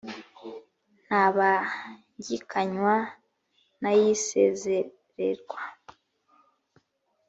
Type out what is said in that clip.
ntabangikanywa n ay isezererwa